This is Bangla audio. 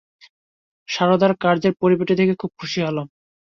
সারদার কার্যের পরিপাটি দেখে খুব খুশী হলাম।